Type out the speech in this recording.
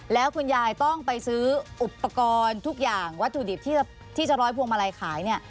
แล้วคุณยายต้องไปซื้ออุปกรณ์ทุกอย่างวัตถุดิบที่จะร้อยพวงมาลัยขายเนี่ย